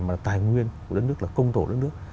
mà tài nguyên của đất nước là công tổ đất nước